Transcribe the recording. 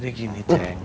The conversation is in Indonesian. jadi gini cenk